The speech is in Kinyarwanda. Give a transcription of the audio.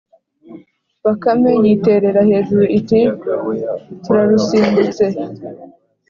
bakame yiterera hejuru iti: “turarusimbutse.”